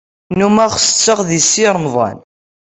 Nnummeɣ setteɣ d Si Remḍan.